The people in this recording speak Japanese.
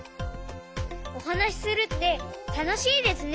おはなしするってたのしいですね！